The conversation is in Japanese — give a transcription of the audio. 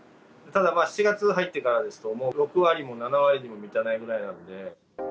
ただ７月入ってからですと、もう６割も７割にも満たないぐらいなんで。